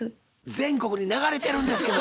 全国に流れてるんですけど。